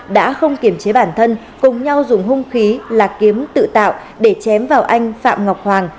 đã không kiểm chế bản thân cùng nhau dùng hung khí là kiếm tự tạo để chém vào anh phạm ngọc hoàng